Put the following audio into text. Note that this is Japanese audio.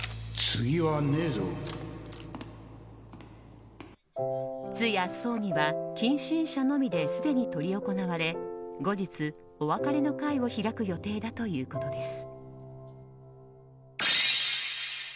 通夜・葬儀は近親者のみですでに執り行われ後日、お別れの会を開く予定だということです。